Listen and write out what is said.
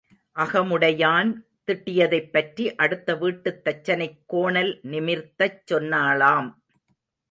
அகமுடையான் திட்டியதைப் பற்றி அடுத்த வீட்டுத் தச்சனைக் கோணல் நிமிர்த்தச் சொன்னாளாம்.